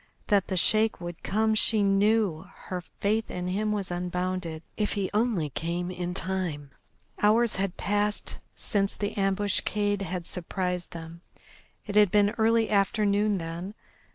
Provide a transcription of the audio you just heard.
That the Sheik would come she knew, her faith in him was unbounded. If he only came in time! Hours had passed since the ambuscade had surprised them. It had been early afternoon then.